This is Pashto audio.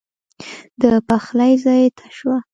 د پخلي ځای ته شوه.